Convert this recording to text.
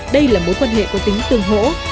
đây là mối quan hệ có tính tương hỗ